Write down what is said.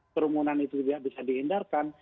kerumunan itu tidak bisa dihindarkan